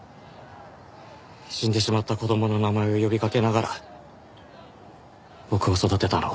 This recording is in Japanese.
死んでしまった子供の名前を呼びかけながら僕を育てたのは。